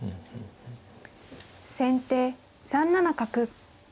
先手３七角。